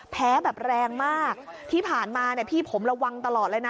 แบบแรงมากที่ผ่านมาเนี่ยพี่ผมระวังตลอดเลยนะ